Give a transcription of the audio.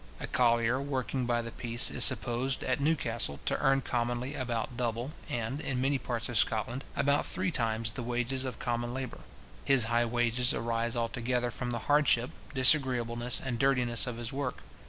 A collier working by the piece is supposed, at Newcastle, to earn commonly about double, and, in many parts of Scotland, about three times, the wages of common labour. His high wages arise altogether from the hardship, disagreeableness, and dirtiness of his work.